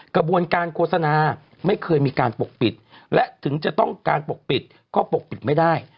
กระบวนการโฆษณาไม่เคยมีการปกปิดและถึงจะต้องการปกปิดก็ปกปิดไม่ได้